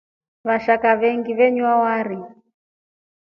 Vashaka venyengi venywa wari.